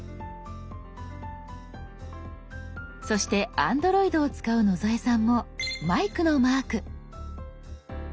そしてＡｎｄｒｏｉｄを使う野添さんもマイクのマーク。